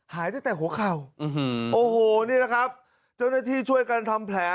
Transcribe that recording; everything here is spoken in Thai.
หายตั้งแต่หัวเข่าโอ้โหนี่แหละครับเจ้าหน้าที่ช่วยกันทำแผล